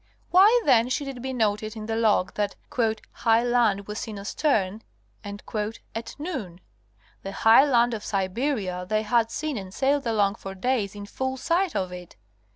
Why then should it be noted in the log that '' highland was seen astern" at noon? The high land of Siberia they had seen and sailed along for days in full sight of it.